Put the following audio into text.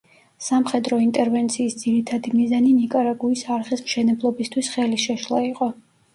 სამხედრო ინტერვენციის ძირითადი მიზანი ნიკარაგუის არხის მშენებლობისთვის ხელის შეშლა იყო.